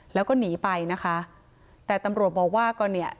แล้วก็หนีไปนะคะแต่ตำรวจบอกว่าก็เนี่ย